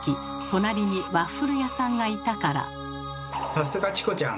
さすがチコちゃん！